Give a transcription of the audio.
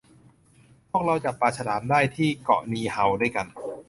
พวกเราจับปลาฉลามได้ที่เกาะนีเฮาด้วยกัน